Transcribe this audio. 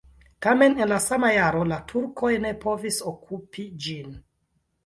Tamen en la sama jaro la turkoj ne povis okupi ĝin.